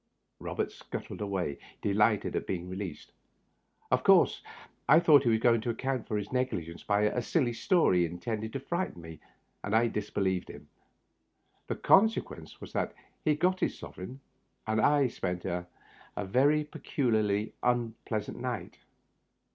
Robert scuttled away, delighted at being released. Of course, I thought he was trying to account for his negligence by a silly story, intended to frighten me, and I disbelieved him. The consequence was that he got his sovereign, and I spent a very peculiarly unpleasant night.